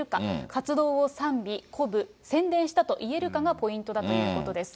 活動を賛美、鼓舞、宣伝をしたといえるかがポイントだということです。